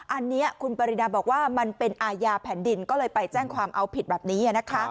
อันนี้คุณปรินาบอกว่ามันเป็นอาญาแผ่นดินก็เลยไปแจ้งความเอาผิดแบบนี้นะคะ